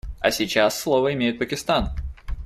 А сейчас слово имеет Пакистан.